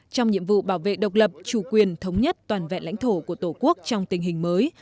trong nhiệm vụ bảo vệ độc lập chủ quyền thống nhất toàn vẹn lãnh thổ của tổ quốc trong tình hình mới